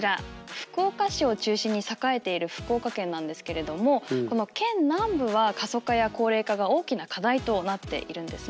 福岡市を中心に栄えている福岡県なんですけれどもこの県南部は過疎化や高齢化が大きな課題となっているんですね。